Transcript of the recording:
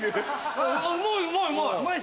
うまいうまいうまい！